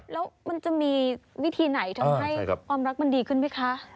แล้วมันจะมีวิธีไหนทำให้ความรักมันดีขึ้นไหมคะ